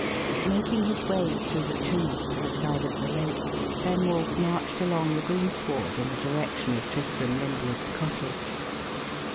Making his way through the trees to the side of the lake, Fenwolf marched along the greensward in the direction of Tristram Lyndwood's cottage.